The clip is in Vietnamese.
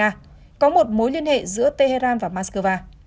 nga đã phóng tên lửa